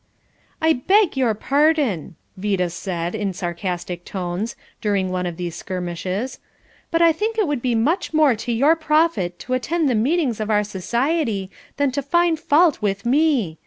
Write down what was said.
"I beg your pardon," Vida said, in sarcastic tones, during one of these skirmishes, "but I think it would be much more to your profit to attend the meetings of our society than to find fault with me.